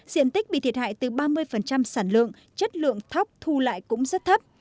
diện tích bị thiệt hại từ ba mươi sản lượng chất lượng thóc thu lại cũng rất thấp